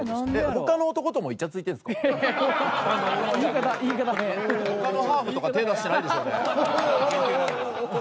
他のハーフとか手出してないでしょうね？